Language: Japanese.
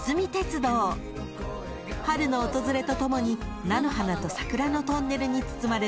［春の訪れとともに菜の花と桜のトンネルに包まれます］